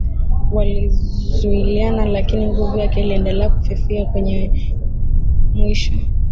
walizuiliana Lakini nguvu yake iliendelea kufifia Kwenye mwisho